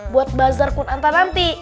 buat bazar kunanta nanti